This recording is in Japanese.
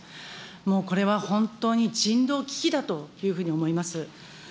もうこれは本当に人道危機だというふうに思います。